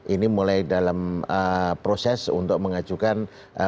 ini mulai dalam proses untuk mengajukan